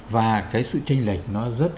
và cái sự tranh lệch nó rất